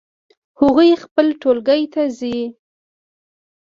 هغوی خپل ټولګی ته ځي